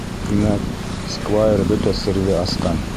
Тимәк, сквайр бөтә серҙе асҡан...